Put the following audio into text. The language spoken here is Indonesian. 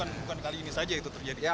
bukan kali ini saja itu terjadi